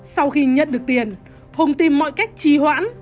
sau khi nhận được tiền hùng tìm mọi cách trí hoãn